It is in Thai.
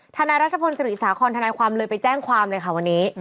นายรัชพลศิริสาคอนทนายความเลยไปแจ้งความเลยค่ะวันนี้